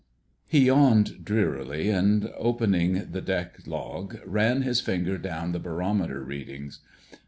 He yawned drearily, and opening the deck log, ran his finger down the barometer readings.